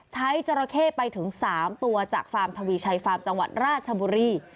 จราเข้ไปถึง๓ตัวจากฟาร์มทวีชัยฟาร์มจังหวัดราชบุรี